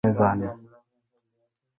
এখন এটা আমাদের কাছে রয়েছে।